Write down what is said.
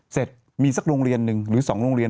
เสร็จมีสักโรงเรียนหนึ่งหรือ๒โรงเรียน